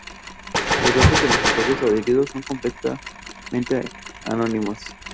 Los datos de los usuarios adheridos son completamente anónimos.